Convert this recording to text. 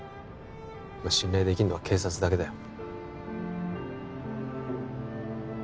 信頼できるのは警察だけだよ